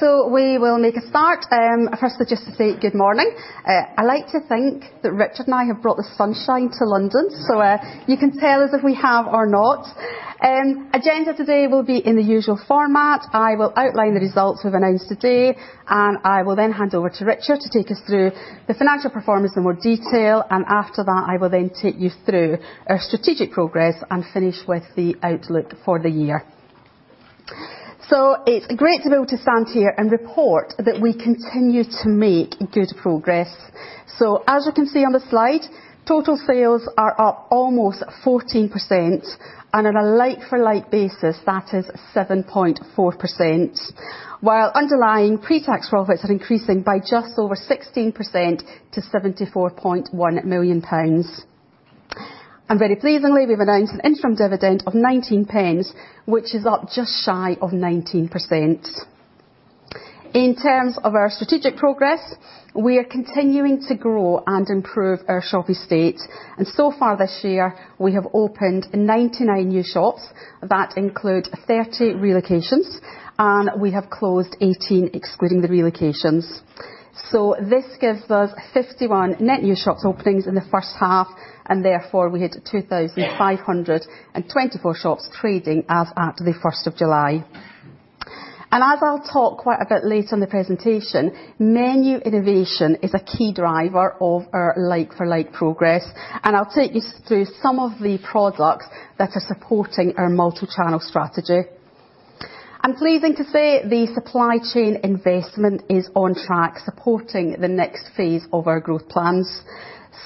So we will make a start. Firstly, just to say good morning. I like to think that Richard and I have brought the sunshine to London, so you can tell us if we have or not. Agenda today will be in the usual format. I will outline the results we've announced today, and I will then hand over to Richard to take us through the financial performance in more detail. And after that, I will then take you through our strategic progress and finish with the outlook for the year. So it's great to be able to stand here and report that we continue to make good progress. So, as you can see on the slide, total sales are up almost 14%, and on a like-for-like basis, that is 7.4%, while underlying pre-tax profits are increasing by just over 16% to 74.1 million pounds. Very pleasingly, we've announced an interim dividend of 0.19, which is up just shy of 19%. In terms of our strategic progress, we are continuing to grow and improve our shopping estate. So far this year, we have opened 99 new shops that include 30 relocations, and we have closed 18 excluding the relocations. This gives us 51 net new shops openings in the first half, and therefore we had 2,524 shops trading as at the 1st of July. As I'll talk quite a bit later in the presentation, menu innovation is a key driver of our like-for-like progress, and I'll take you through some of the products that are supporting our multi-channel strategy. Pleasing to say, the supply chain investment is on track, supporting the next phase of our growth plans.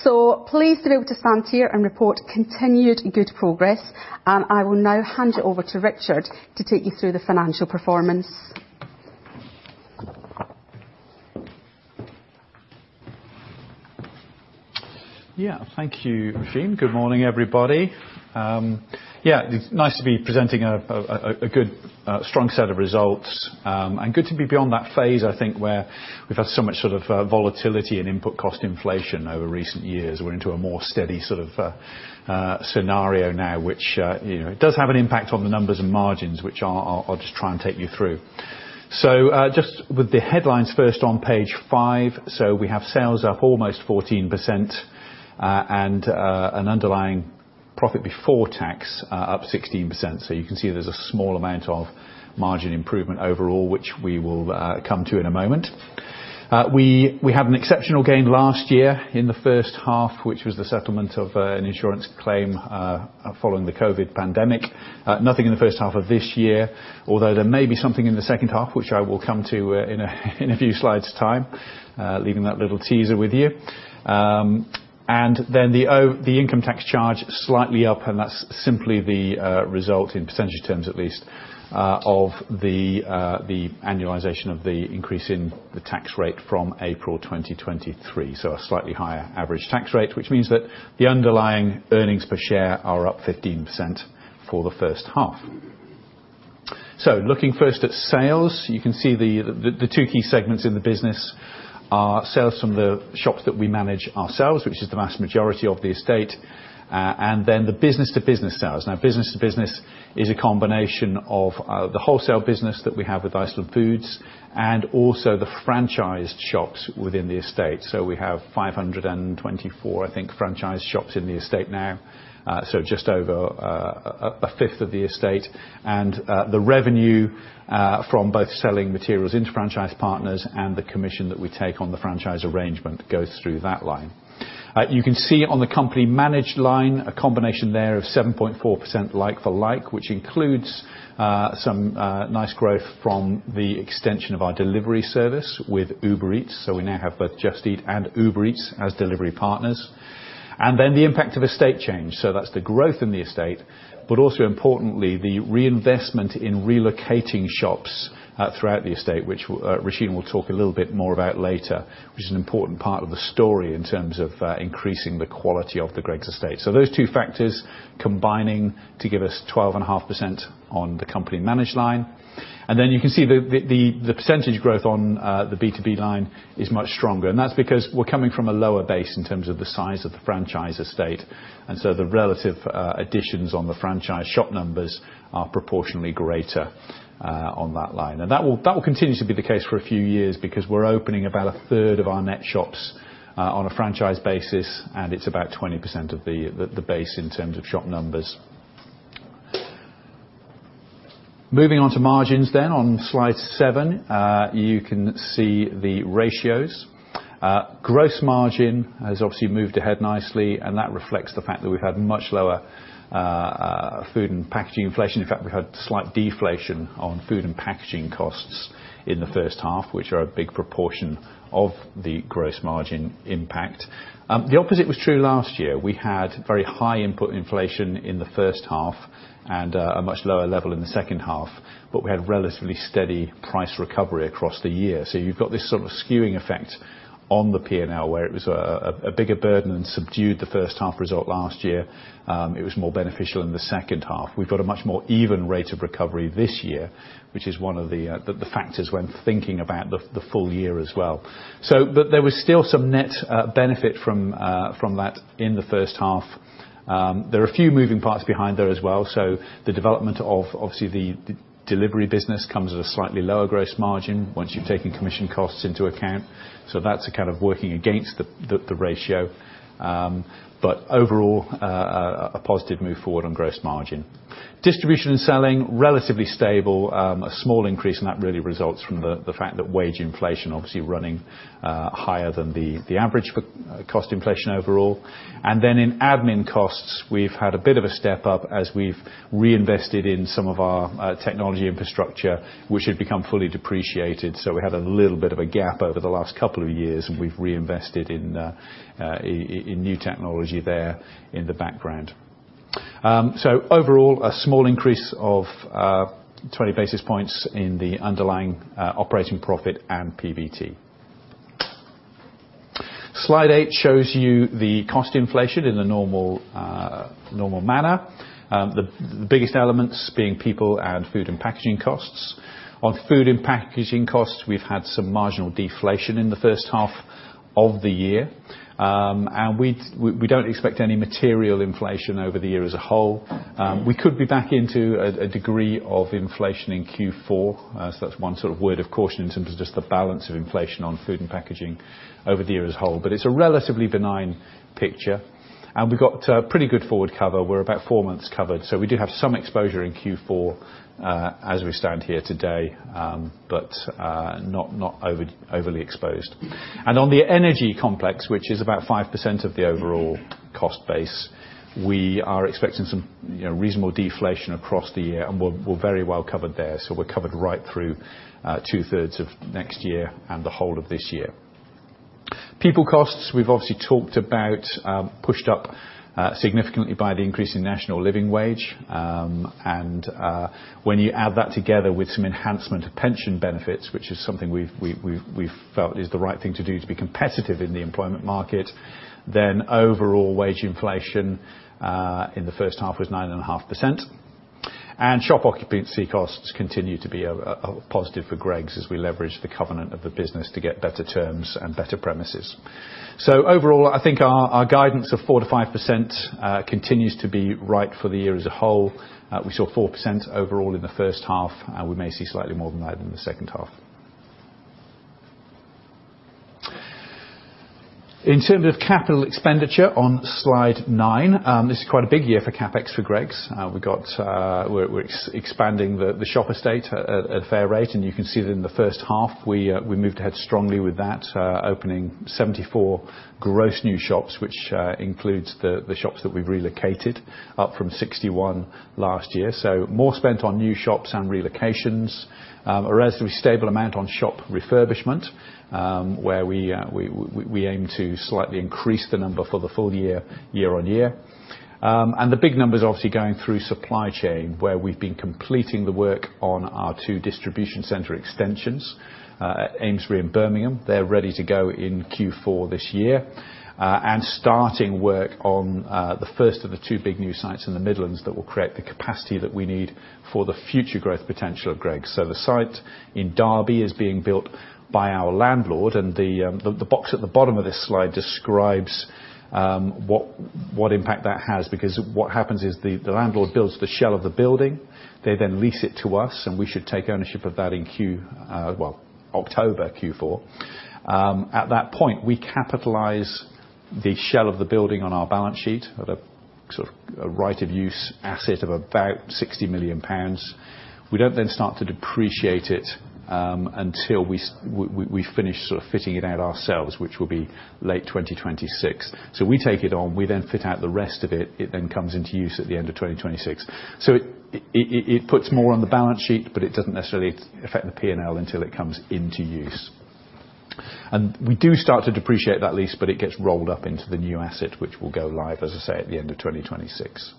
So pleased to be able to stand here and report continued good progress, and I will now hand you over to Richard to take you through the financial performance. Yeah, thank you, Roisin. Good morning, everybody. Yeah, it's nice to be presenting a good, strong set of results and good to be beyond that phase, I think, where we've had so much sort of volatility and input cost inflation over recent years. We're into a more steady sort of scenario now, which does have an impact on the numbers and margins, which I'll just try and take you through. So just with the headlines first on page five, so we have sales up almost 14% and an underlying profit before tax up 16%. So you can see there's a small amount of margin improvement overall, which we will come to in a moment. We had an exceptional gain last year in the first half, which was the settlement of an insurance claim following the COVID pandemic. Nothing in the first half of this year, although there may be something in the second half, which I will come to in a few slides' time, leaving that little teaser with you. Then the income tax charge slightly up, and that's simply the result in percentage terms at least of the annualization of the increase in the tax rate from April 2023. A slightly higher average tax rate, which means that the underlying earnings per share are up 15% for the first half. Looking first at sales, you can see the two key segments in the business are sales from the shops that we manage ourselves, which is the vast majority of the estate, and then the business-to-business sales. Now, business-to-business is a combination of the wholesale business that we have with Iceland Foods and also the franchised shops within the estate. So we have 524, I think, franchised shops in the estate now, so just over a fifth of the estate. And the revenue from both selling materials into franchise partners and the commission that we take on the franchise arrangement goes through that line. You can see on the company managed line, a combination there of 7.4% like-for-like, which includes some nice growth from the extension of our delivery service with Uber Eats. So we now have both Just Eat and Uber Eats as delivery partners. And then the impact of estate change. So that's the growth in the estate, but also importantly, the reinvestment in relocating shops throughout the estate, which Roisin will talk a little bit more about later, which is an important part of the story in terms of increasing the quality of the Greggs estate. So those two factors combining to give us 12.5% on the company managed line. Then you can see the percentage growth on the B2B line is much stronger, and that's because we're coming from a lower base in terms of the size of the franchise estate. So the relative additions on the franchise shop numbers are proportionally greater on that line. And that will continue to be the case for a few years because we're opening about a third of our net shops on a franchise basis, and it's about 20% of the base in terms of shop numbers. Moving on to margins then on slide 7, you can see the ratios. Gross margin has obviously moved ahead nicely, and that reflects the fact that we've had much lower food and packaging inflation. In fact, we've had slight deflation on food and packaging costs in the first half, which are a big proportion of the gross margin impact. The opposite was true last year. We had very high input inflation in the first half and a much lower level in the second half, but we had relatively steady price recovery across the year. So you've got this sort of skewing effect on the P&L where it was a bigger burden and subdued the first half result last year. It was more beneficial in the second half. We've got a much more even rate of recovery this year, which is one of the factors when thinking about the full year as well. But there was still some net benefit from that in the first half. There are a few moving parts behind there as well. So the development of obviously the delivery business comes at a slightly lower gross margin once you've taken commission costs into account. So that's a kind of working against the ratio. But overall, a positive move forward on gross margin. Distribution and selling, relatively stable, a small increase in that really results from the fact that wage inflation obviously running higher than the average cost inflation overall. And then in admin costs, we've had a bit of a step up as we've reinvested in some of our technology infrastructure, which had become fully depreciated. So we had a little bit of a gap over the last couple of years, and we've reinvested in new technology there in the background. So overall, a small increase of 20 basis points in the underlying operating profit and PBT. Slide 8 shows you the cost inflation in the normal manner. The biggest elements being people and food and packaging costs. On food and packaging costs, we've had some marginal deflation in the first half of the year, and we don't expect any material inflation over the year as a whole. We could be back into a degree of inflation in Q4. So that's one sort of word of caution in terms of just the balance of inflation on food and packaging over the year as a whole, but it's a relatively benign picture. And we've got pretty good forward cover. We're about four months covered. So we do have some exposure in Q4 as we stand here today, but not overly exposed. And on the energy complex, which is about 5% of the overall cost base, we are expecting some reasonable deflation across the year, and we're very well covered there. So we're covered right through two-thirds of next year and the whole of this year. People costs, we've obviously talked about, pushed up significantly by the increase in National Living Wage. And when you add that together with some enhancement of pension benefits, which is something we've felt is the right thing to do to be competitive in the employment market, then overall wage inflation in the first half was 9.5%. And shop occupancy costs continue to be positive for Greggs as we leverage the covenant of the business to get better terms and better premises. So overall, I think our guidance of 4%-5% continues to be right for the year as a whole. We saw 4% overall in the first half, and we may see slightly more than that in the second half. In terms of capital expenditure on slide 9, this is quite a big year for CapEx for Greggs. We're expanding the shop estate at a fair rate, and you can see that in the first half we moved ahead strongly with that, opening 74 gross new shops, which includes the shops that we've relocated up from 61 last year. So more spent on new shops and relocations, a relatively stable amount on shop refurbishment where we aim to slightly increase the number for the full year year on year. And the big numbers obviously going through supply chain where we've been completing the work on our 2 distribution centre extensions, Amesbury and Birmingham. They're ready to go in Q4 this year and starting work on the first of the two big new sites in the Midlands that will create the capacity that we need for the future growth potential of Greggs. The site in Derby is being built by our landlord, and the box at the bottom of this slide describes what impact that has because what happens is the landlord builds the shell of the building. They then lease it to us, and we should take ownership of that in Q4. At that point, we capitalize the shell of the building on our balance sheet at a sort of right of use asset of about 60 million pounds. We don't then start to depreciate it until we finish sort of fitting it out ourselves, which will be late 2026. We take it on. We then fit out the rest of it. It then comes into use at the end of 2026. So it puts more on the balance sheet, but it doesn't necessarily affect the P&L until it comes into use. And we do start to depreciate that lease, but it gets rolled up into the new asset, which will go live, as I say, at the end of 2026.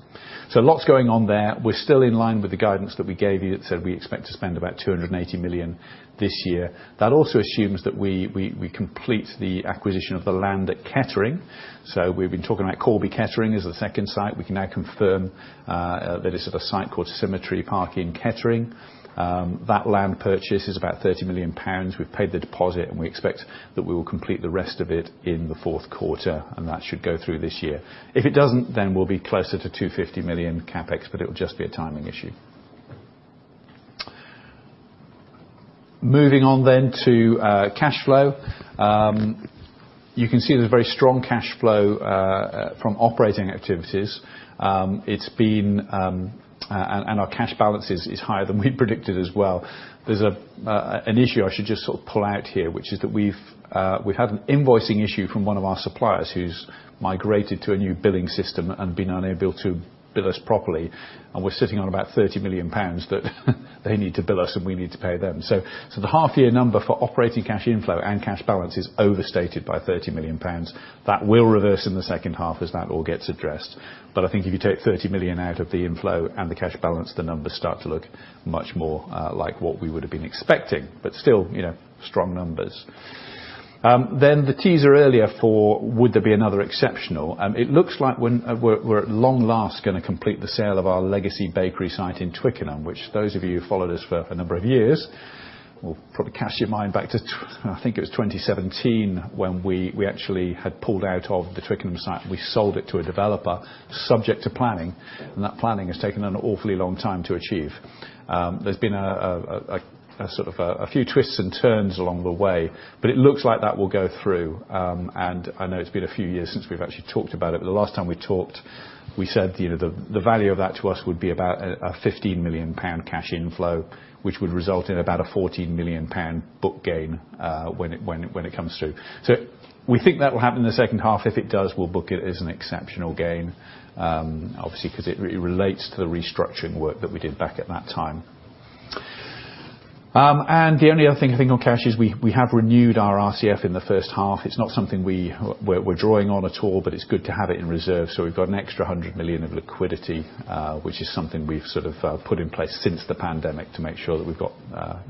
So lots going on there. We're still in line with the guidance that we gave you that said we expect to spend about 280 million this year. That also assumes that we complete the acquisition of the land at Kettering. So we've been talking about Corby Kettering as the second site. We can now confirm that it's at a site called Symmetry Park in Kettering. That land purchase is about 30 million pounds. We've paid the deposit, and we expect that we will complete the rest of it in the fourth quarter, and that should go through this year. If it doesn't, then we'll be closer to 250 million CapEx, but it'll just be a timing issue. Moving on to cash flow. You can see there's very strong cash flow from operating activities. Our cash balance is higher than we predicted as well. There's an issue I should just sort of pull out here, which is that we've had an invoicing issue from one of our suppliers who's migrated to a new billing system and been unable to bill us properly. We're sitting on about 30 million pounds that they need to bill us, and we need to pay them. The half-year number for operating cash inflow and cash balance is overstated by 30 million pounds. That will reverse in the second half as that all gets addressed. But I think if you take 30 million out of the inflow and the cash balance, the numbers start to look much more like what we would have been expecting, but still strong numbers. Then the teaser earlier for would there be another exceptional. It looks like we're at long last going to complete the sale of our legacy bakery site in Twickenham, which those of you who followed us for a number of years will probably cast your mind back to, I think it was 2017 when we actually had pulled out of the Twickenham site. We sold it to a developer subject to planning, and that planning has taken an awfully long time to achieve. There's been sort of a few twists and turns along the way, but it looks like that will go through. I know it's been a few years since we've actually talked about it, but the last time we talked, we said the value of that to us would be about a 15 million pound cash inflow, which would result in about a 14 million pound book gain when it comes through. So we think that will happen in the second half. If it does, we'll book it as an exceptional gain, obviously, because it relates to the restructuring work that we did back at that time. And the only other thing I think on cash is we have renewed our RCF in the first half. It's not something we're drawing on at all, but it's good to have it in reserve. We've got an extra 100 million of liquidity, which is something we've sort of put in place since the pandemic to make sure that we've got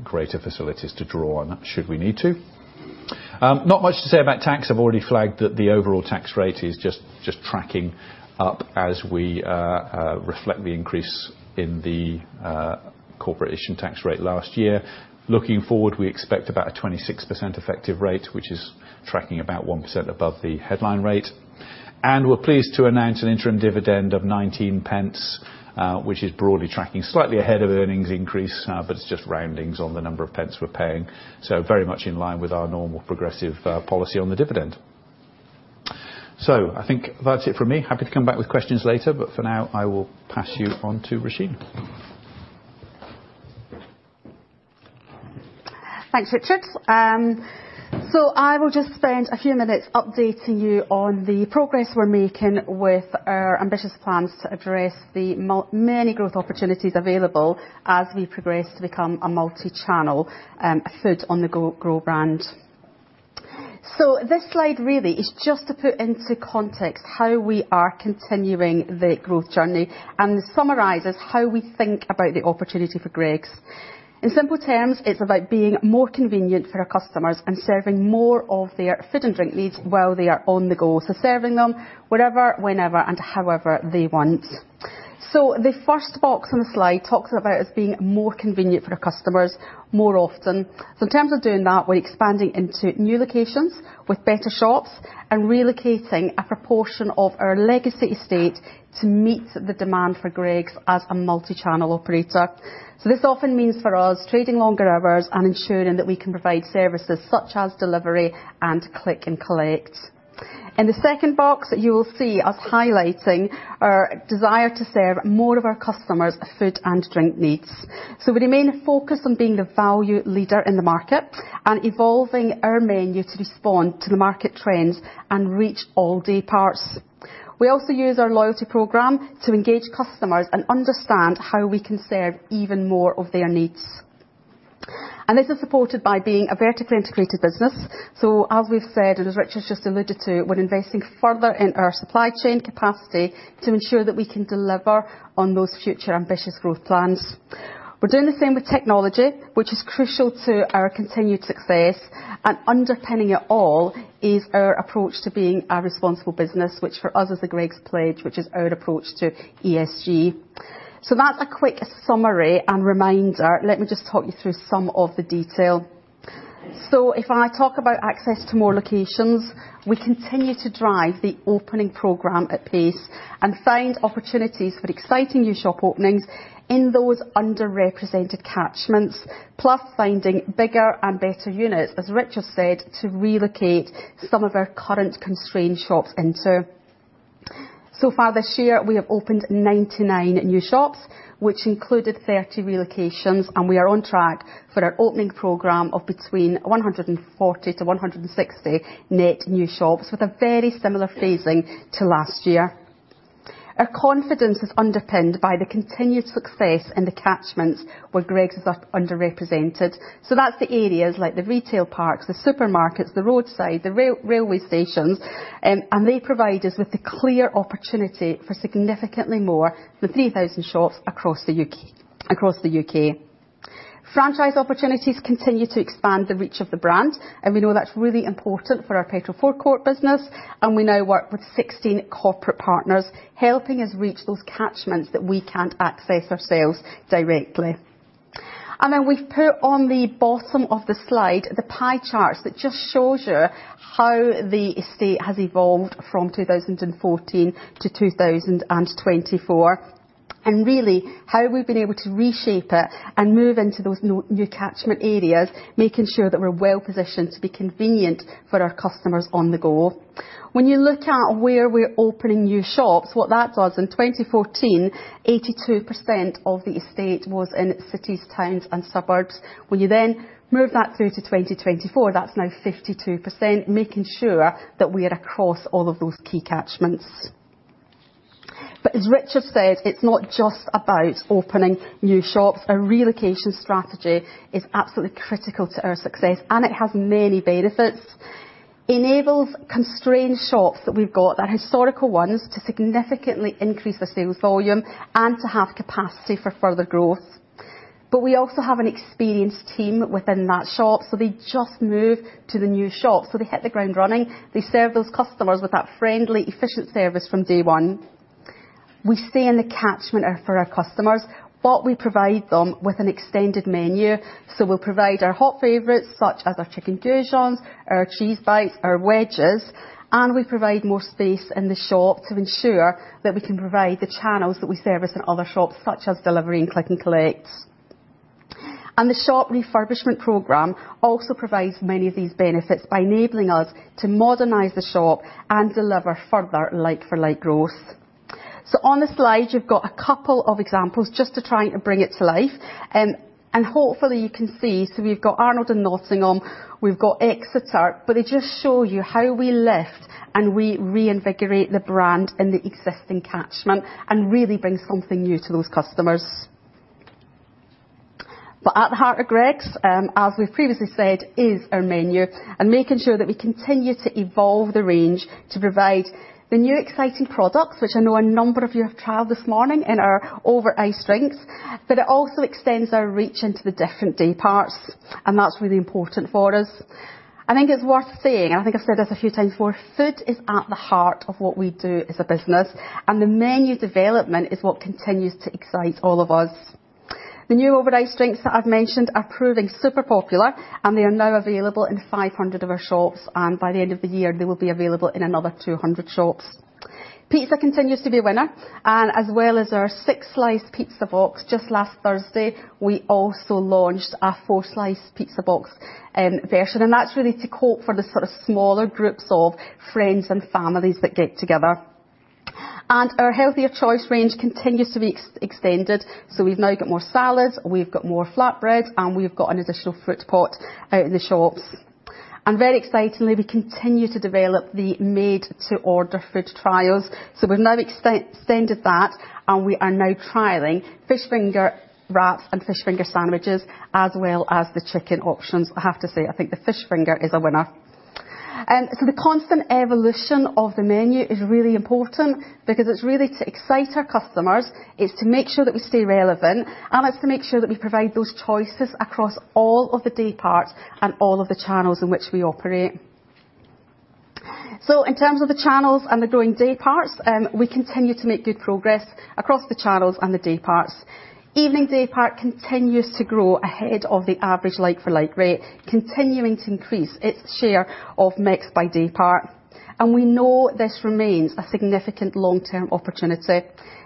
greater facilities to draw on should we need to. Not much to say about tax. I've already flagged that the overall tax rate is just tracking up as we reflect the increase in the corporation tax rate last year. Looking forward, we expect about a 26% effective rate, which is tracking about 1% above the headline rate. We're pleased to announce an interim dividend of 0.19, which is broadly tracking slightly ahead of earnings increase, but it's just roundings on the number of pence we're paying. Very much in line with our normal progressive policy on the dividend. I think that's it from me. Happy to come back with questions later, but for now, I will pass you on to Roisin. Thanks, Richard. So I will just spend a few minutes updating you on the progress we're making with our ambitious plans to address the many growth opportunities available as we progress to become a multi-channel, a food on the go brand. So this slide really is just to put into context how we are continuing the growth journey and summarizes how we think about the opportunity for Greggs. In simple terms, it's about being more convenient for our customers and serving more of their food and drink needs while they are on the go. So serving them wherever, whenever, and however they want. So the first box on the slide talks about us being more convenient for our customers more often. So in terms of doing that, we're expanding into new locations with better shops and relocating a proportion of our legacy estate to meet the demand for Greggs as a multi-channel operator. So this often means for us trading longer hours and ensuring that we can provide services such as delivery and click and collect. In the second box, you will see us highlighting our desire to serve more of our customers' food and drink needs. So we remain focused on being the value leader in the market and evolving our menu to respond to the market trends and reach all day parts. We also use our loyalty program to engage customers and understand how we can serve even more of their needs. And this is supported by being a vertically integrated business. So as we've said, and as Richard's just alluded to, we're investing further in our supply chain capacity to ensure that we can deliver on those future ambitious growth plans. We're doing the same with technology, which is crucial to our continued success. And underpinning it all is our approach to being a responsible business, which for us is the Greggs Pledge, which is our approach to ESG. So that's a quick summary and reminder. Let me just talk you through some of the detail. So if I talk about access to more locations, we continue to drive the opening program at pace and find opportunities for exciting new shop openings in those underrepresented catchments, plus finding bigger and better units, as Richard said, to relocate some of our current constrained shops into. So far this year, we have opened 99 new shops, which included 30 relocations, and we are on track for our opening program of between 140-160 net new shops with a very similar phasing to last year. Our confidence is underpinned by the continued success in the catchments where Greggs is underrepresented. That's the areas like the retail parks, the supermarkets, the roadside, the railway stations, and they provide us with the clear opportunity for significantly more than 3,000 shops across the U.K. Franchise opportunities continue to expand the reach of the brand, and we know that's really important for our petrol forecourt business, and we now work with 16 corporate partners helping us reach those catchments that we can't access ourselves directly. Then we've put on the bottom of the slide the pie charts that just shows you how the estate has evolved from 2014 to 2024 and really how we've been able to reshape it and move into those new catchment areas, making sure that we're well positioned to be convenient for our customers on the go. When you look at where we're opening new shops, what that does in 2014, 82% of the estate was in cities, towns, and suburbs. When you then move that through to 2024, that's now 52%, making sure that we are across all of those key catchments. But as Richard said, it's not just about opening new shops. A relocation strategy is absolutely critical to our success, and it has many benefits. It enables constrained shops that we've got, that historical ones, to significantly increase the sales volume and to have capacity for further growth. But we also have an experienced team within that shop, so they just move to the new shop. So they hit the ground running. They serve those customers with that friendly, efficient service from day one. We stay in the catchment for our customers, but we provide them with an extended menu. So we'll provide our hot favorites such as our chicken goujons, our cheese bites, our wedges, and we provide more space in the shop to ensure that we can provide the channels that we service in other shops such as delivery and click and collect. The shop refurbishment program also provides many of these benefits by enabling us to modernize the shop and deliver further like-for-like growth. So on the slide, you've got a couple of examples just to try and bring it to life. And hopefully, you can see. So we've got Arnold and Nottingham. We've got Exeter, but they just show you how we lift and we reinvigorate the brand in the existing catchment and really bring something new to those customers. But at the heart of Greggs, as we've previously said, is our menu and making sure that we continue to evolve the range to provide the new exciting products, which I know a number of you have trialed this morning in our over-ice drinks, but it also extends our reach into the different day parts, and that's really important for us. I think it's worth saying, and I think I've said this a few times before, food is at the heart of what we do as a business, and the menu development is what continues to excite all of us. The new over-ice drinks that I've mentioned are proving super popular, and they are now available in 500 of our shops, and by the end of the year, they will be available in another 200 shops. Pizza continues to be a winner, and as well as our six-slice pizza box just last Thursday, we also launched a four-slice pizza box version, and that's really to cope for the sort of smaller groups of friends and families that get together. And our healthier choice range continues to be extended. So we've now got more salads, we've got more flatbreads, and we've got an additional fruit pot out in the shops. Very excitingly, we continue to develop the made-to-order food trials. So we've now extended that, and we are now trialing fish finger wraps and fish finger sandwiches as well as the chicken options. I have to say, I think the fish finger is a winner. So the constant evolution of the menu is really important because it's really to excite our customers. It's to make sure that we stay relevant, and it's to make sure that we provide those choices across all of the day parts and all of the channels in which we operate. So in terms of the channels and the growing day parts, we continue to make good progress across the channels and the day parts. Evening day part continues to grow ahead of the average Like-for-like rate, continuing to increase its share of mix by day part. We know this remains a significant long-term opportunity.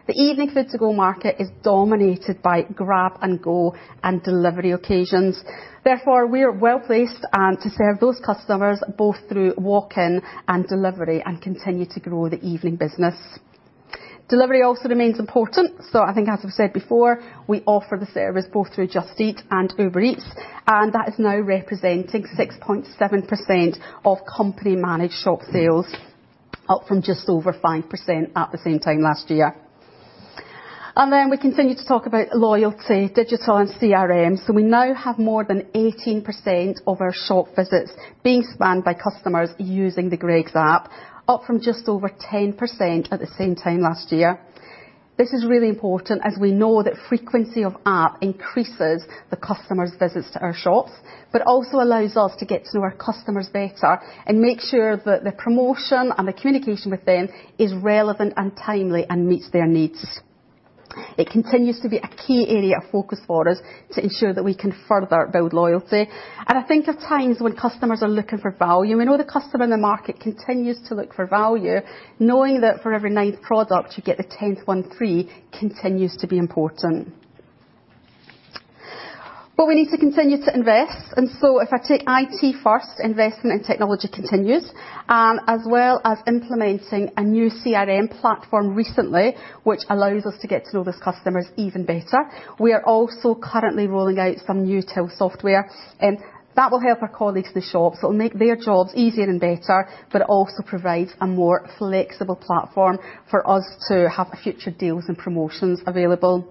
The evening food-to-go market is dominated by grab-and-go and delivery occasions. Therefore, we are well placed to serve those customers both through walk-in and delivery and continue to grow the evening business. Delivery also remains important. I think, as I've said before, we offer the service both through Just Eat and Uber Eats, and that is now representing 6.7% of company-managed shop sales, up from just over 5% at the same time last year. Then we continue to talk about loyalty, digital, and CRM. We now have more than 18% of our shop visits being spanned by customers using the Greggs app, up from just over 10% at the same time last year. This is really important as we know that frequency of app increases the customers' visits to our shops, but also allows us to get to know our customers better and make sure that the promotion and the communication with them is relevant and timely and meets their needs. It continues to be a key area of focus for us to ensure that we can further build loyalty. I think of times when customers are looking for value. We know the customer in the market continues to look for value, knowing that for every ninth product you get the 10th one free, continues to be important. We need to continue to invest. So if I take IT first, investment in technology continues, as well as implementing a new CRM platform recently, which allows us to get to know those customers even better. We are also currently rolling out some new till software that will help our colleagues in the shops. It'll make their jobs easier and better, but it also provides a more flexible platform for us to have future deals and promotions available.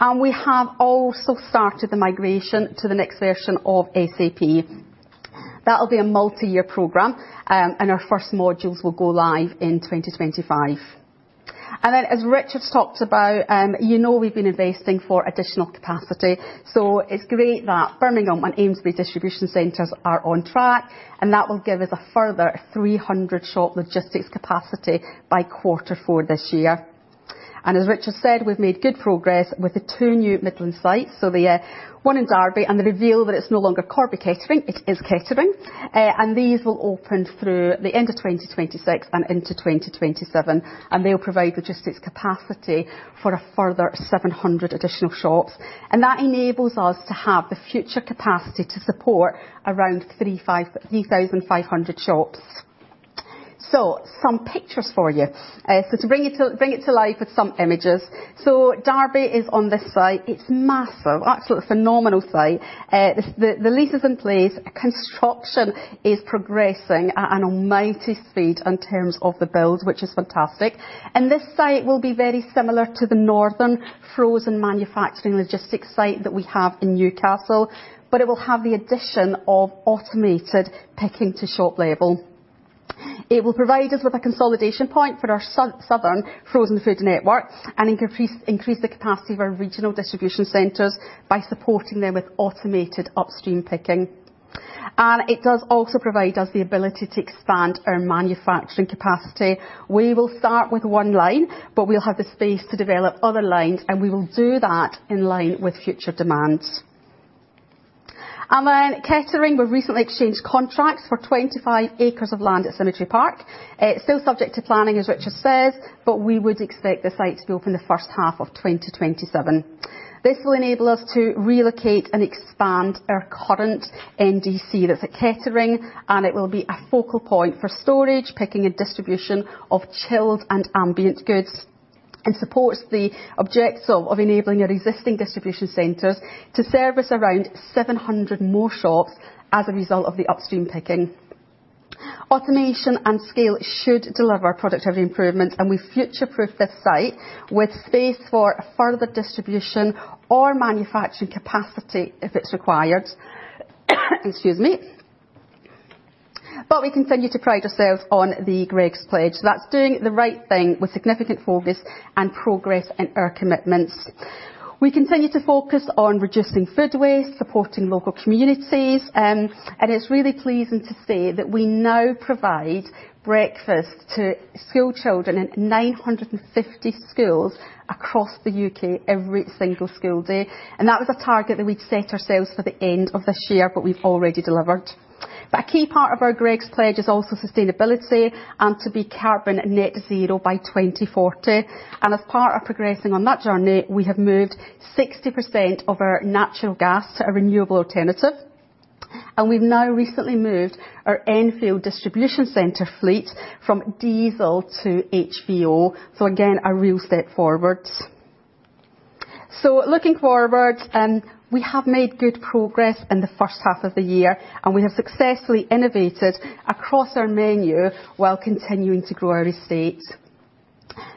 And we have also started the migration to the next version of SAP. That'll be a multi-year program, and our first modules will go live in 2025. And then, as Richard's talked about, you know we've been investing for additional capacity. So it's great that Birmingham and Amesbury distribution centers are on track, and that will give us a further 300 shop logistics capacity by quarter four this year. And as Richard said, we've made good progress with the two new Midland sites, so the one in Derby and the one in Kettering. And these will open through the end of 2026 and into 2027, and they'll provide logistics capacity for a further 700 additional shops. And that enables us to have the future capacity to support around 3,500 shops. So some pictures for you. So to bring it to life with some images. So Derby is on this site. It's massive, absolutely phenomenal site. The lease is in place. Construction is progressing at an almighty speed in terms of the build, which is fantastic. And this site will be very similar to the northern frozen manufacturing logistics site that we have in Newcastle, but it will have the addition of automated picking to shop label. It will provide us with a consolidation point for our southern frozen food network and increase the capacity of our regional distribution centers by supporting them with automated upstream picking. It does also provide us the ability to expand our manufacturing capacity. We will start with one line, but we'll have the space to develop other lines, and we will do that in line with future demands. Uhm in Kettering, we've recently exchanged contracts for 25 acres of land at Symmetry Park. It's still subject to planning, as Richard says, but we would expect the site to be open the first half of 2027. This will enable us to relocate and expand our current NDC that's at Kettering, and it will be a focal point for storage, picking, and distribution of chilled and ambient goods and supports the objectives of enabling our existing distribution centres to service around 700 more shops as a result of the upstream picking. Automation and scale should deliver productivity improvements, and we future-proof this site with space for further distribution or manufacturing capacity if it's required. Excuse me. But we continue to pride ourselves on the Greggs Pledge. So that's doing the right thing with significant focus and progress in our commitments. We continue to focus on reducing food waste, supporting local communities, and it's really pleasing to say that we now provide breakfast to school children in 950 schools across the U.K. every single school day. And that was a target that we'd set ourselves for the end of this year, but we've already delivered. But a key part of our Greggs Pledge is also sustainability and to be carbon net zero by 2040. And as part of progressing on that journey, we have moved 60% of our natural gas to a renewable alternative. We've now recently moved our Enfield Distribution Center fleet from diesel to HVO. So again, a real step forward. So looking forward, we have made good progress in the first half of the year, and we have successfully innovated across our menu while continuing to grow our estate.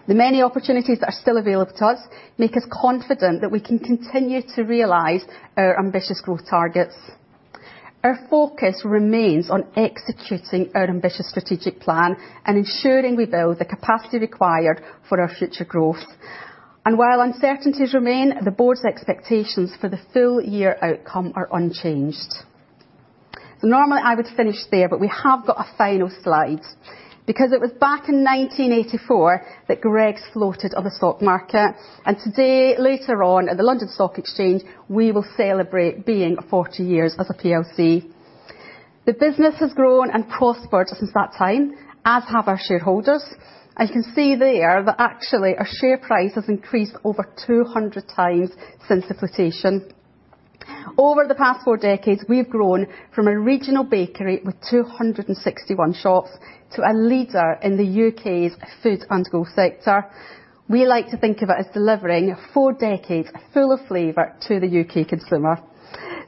The many opportunities that are still available to us make us confident that we can continue to realize our ambitious growth targets. Our focus remains on executing our ambitious strategic plan and ensuring we build the capacity required for our future growth. And while uncertainties remain, the board's expectations for the full year outcome are unchanged. So normally I would finish there, but we have got a final slide because it was back in 1984 that Greggs floated on the stock market. And today, later on at the London Stock Exchange, we will celebrate being 40 years as a PLC. The business has grown and prospered since that time, as have our shareholders. You can see there that actually our share price has increased over 200 times since flotation. Over the past four decades, we've grown from a regional bakery with 261 shops to a leader in the U.K.'s food-on-the-go sector. We like to think of it as delivering four decades full of flavor to the U.K. consumer.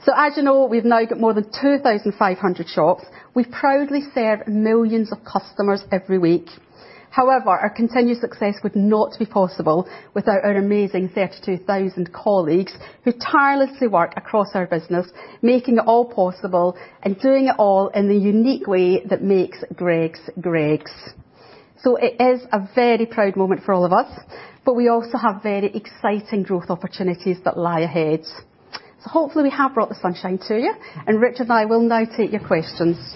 So as you know, we've now got more than 2,500 shops. We proudly serve millions of customers every week. However, our continued success would not be possible without our amazing 32,000 colleagues who tirelessly work across our business, making it all possible and doing it all in the unique way that makes Greggs Greggs. So it is a very proud moment for all of us, but we also have very exciting growth opportunities that lie ahead. Hopefully we have brought the sunshine to you, and Richard and I will now take your questions.